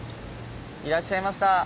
いらっしゃいました。